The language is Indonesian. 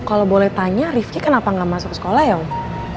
kalau boleh tanya rifki kenapa nggak masuk sekolah ya om